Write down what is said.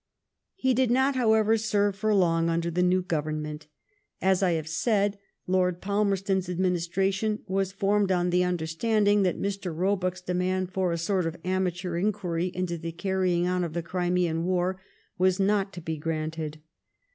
He did not, however, serve for long under the new Government. As I have said, Lord Palmcrston's administration was formed on the understanding that Mr. Roebuck's demand for a sort of amateur inquiry into the carrying on of the Crimean War was not to be granted.